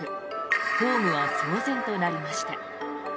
ホームは騒然となりました。